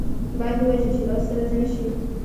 باید ووژل شي او سرزنش شي.